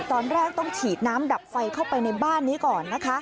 ตอนแรกต้องฉีดน้ำดับไฟเข้าไปในบ้านนี้ก่อนนะคะ